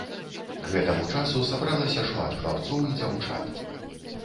К гэтаму часу сабралася шмат хлапцоў і дзяўчат.